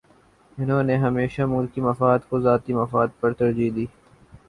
انہوں نے ہمیشہ ملکی مفاد کو ذاتی مفاد پر ترجیح دی۔